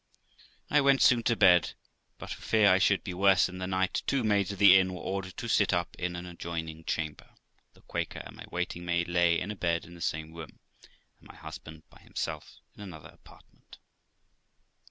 I went soon to bed, but for fear I should be worse in the night, two maids of the inn were ordered to sit up in an adjoining chamber; the Quaker and my waiting maid lay in a bed in the same room, and my husband by himself in another apartment.